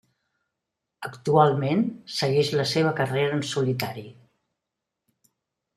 Actualment segueix la seva carrera en solitari.